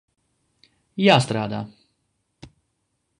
Jāstrādā.